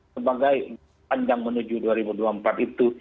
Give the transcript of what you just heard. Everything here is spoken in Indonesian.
sebagai panjang menuju dua ribu dua puluh empat itu